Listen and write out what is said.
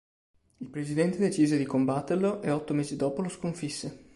Il presidente decise di combatterlo e otto mesi dopo lo sconfisse.